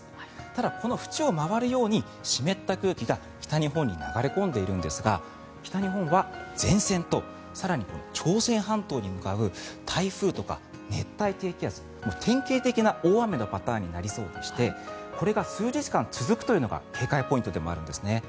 ただ、この縁を回るように湿った空気が北日本に流れ込んでいるんですが北日本は前線と更に、朝鮮半島に向かう台風とか熱帯低気圧典型的な大雨のパターンになりそうでしてこれが数日間続くというのが警戒ポイントでもあるんですね。